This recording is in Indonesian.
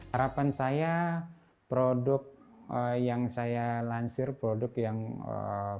harapan saya produk yang saya lansir produk yang produk